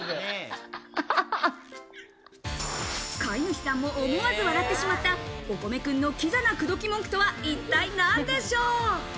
飼い主さんも思わず笑ってしまった、おこめくんのキザな口説き文句とは一体なんでしょう？